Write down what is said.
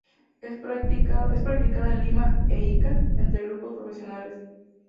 Es practicada en Lima e Ica, entre grupos profesionales.